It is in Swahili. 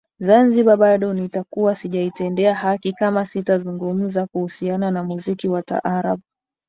Zanzibar bado nitakuwa sijaitendea haki kama sitazungumza kuhusiana na muziki wa taarabu